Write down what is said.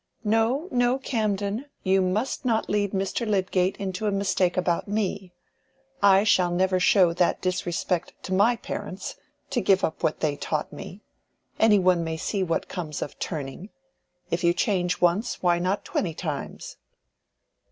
"No, no, Camden, you must not lead Mr. Lydgate into a mistake about me. I shall never show that disrespect to my parents, to give up what they taught me. Any one may see what comes of turning. If you change once, why not twenty times?"